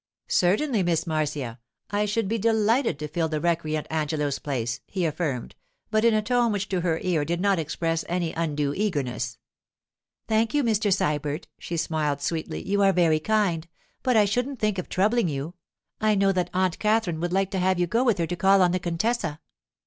'Certainly, Miss Marcia, I should be delighted to fill the recreant Angelo's place,' he affirmed, but in a tone which to her ear did not express any undue eagerness. 'Thank you, Mr. Sybert,' she smiled sweetly; 'you are very kind, but I shouldn't think of troubling you. I know that Aunt Katherine would like to have you go with her to call on the contessa.